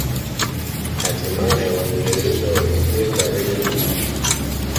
Hatimae Waingereza waliijenga reli hii